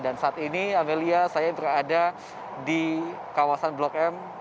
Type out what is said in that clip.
dan saat ini amelia saya berada di kawasan blok m